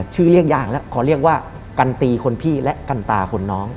เรียกยางแล้วขอเรียกว่ากันตีคนพี่และกันตาคนน้อง